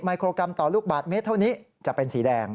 มิโครกรัมต่อลูกบาทเมตรเท่านี้จะเป็นสีแดง